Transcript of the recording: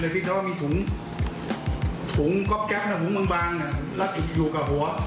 เพราะว่ามีถุงถุงก๊อปแก๊ปถุงบางอยู่กับหัว